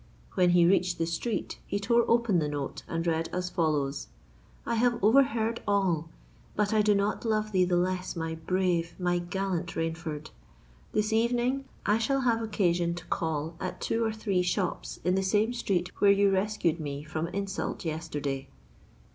When he reached the street, he tore open the note, and read as follows:—"_I have overheard all! But I do not love thee the less, my brave—my gallant Rainford! This evening, I shall have occasion to call at two or three shops in the same street where you rescued me from insult yesterday.